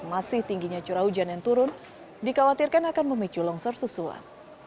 masih tingginya curah hujan yang turun dikhawatirkan akan memicu longsor susulan